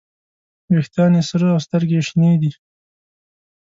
ویښتان یې سره او سترګې یې شنې دي.